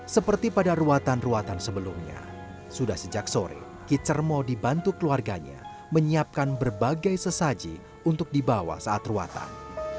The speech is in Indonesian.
seperti pada ruatan ruatan sebelumnya sudah sejak sore kicermo dibantu keluarganya menyiapkan berbagai sesaji untuk dibawa saat ruatan